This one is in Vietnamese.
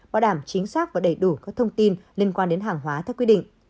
bảo đảm chính xác và đầy đủ các thông tin liên quan đến hàng hóa theo quy định